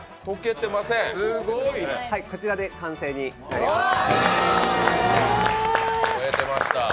こちらで完成になります。